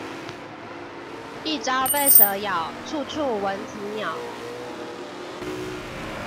一朝被蛇咬，處處聞啼鳥